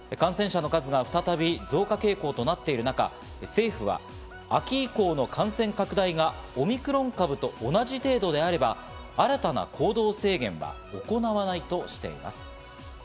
感染者の数が再び、増加傾向となっている中、政府は秋以降の感染拡大がオミクロン株と同じ程度であれば、新たな行動制限は行わないとしています。